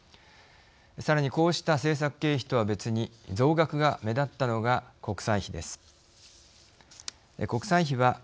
さらにこうした政策経費とは別に増額が目立ったのが国債費です。